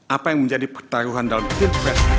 apa yang menjadi pertaruhan dalam pilpres